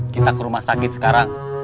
kita ke rumah sakit sekarang